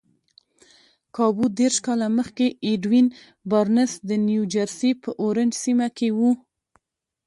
کابو دېرش کاله مخکې ايډوين بارنس د نيوجرسي په اورنج سيمه کې و.